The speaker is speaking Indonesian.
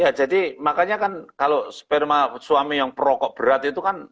ya jadi makanya kan kalau sperma suami yang perokok berat itu kan